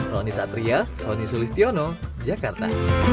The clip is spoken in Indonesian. roni satria soni sulistiono jakarta